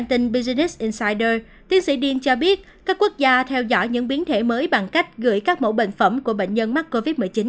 tiến sĩ dean cho biết các quốc gia theo dõi những biến thể mới bằng cách gửi các mẫu bệnh phẩm của bệnh nhân mắc covid một mươi chín